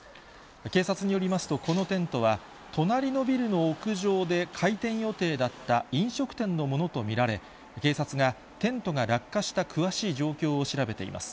警察によりますと、このテントは、隣のビルの屋上で開店予定だった飲食店のものと見られ、警察がテントが落下した詳しい状況を調べています。